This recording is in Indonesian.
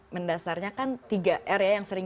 mendasarnya kan tiga r ya yang sering